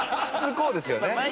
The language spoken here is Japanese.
普通こうですよね？